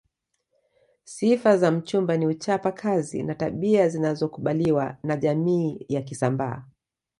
Sifa za mchumba ni uchapa kazi na tabia zinazokubaliwa na jamii ya kisambaa